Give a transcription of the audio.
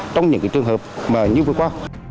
trong những cái trường hợp như vừa qua